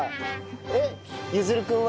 えっ禅君は？